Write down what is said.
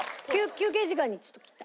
休憩時間にちょっと切った。